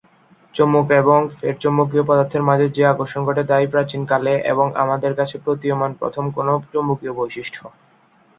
চুম্বক এবং ফেরোচৌম্বকীয় পদার্থের মাঝে যে আকর্ষণ ঘটে তাই প্রাচীন কালে এবং আমাদের কাছে প্রতীয়মান প্রথম কোনো চৌম্বকীয় বৈশিষ্ট্য।